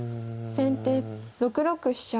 先手６六飛車。